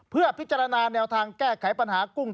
เพื่อพิจารณาแนวทางแก้ไขปัญหากุ้ง